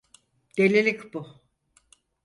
Delilik bu.